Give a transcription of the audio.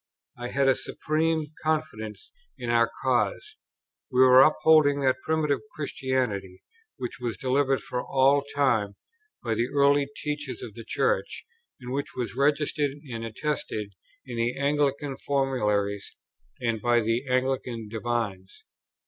I had a supreme confidence in our cause; we were upholding that primitive Christianity which was delivered for all time by the early teachers of the Church, and which was registered and attested in the Anglican formularies and by the Anglican divines.